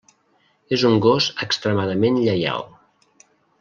És un gos extremadament lleial.